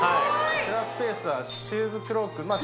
こちらのスペースはシューズクロークまあ